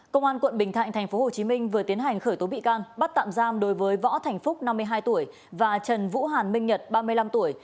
công an quận bình thạnh tp hcm vừa tiến hành khởi tố bị can bắt tạm giam đối với võ thành phúc năm mươi hai tuổi và trần vũ hàn minh nhật ba mươi năm tuổi